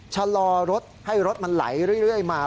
ชะลอรถให้รถมันไหลเรื่อยมา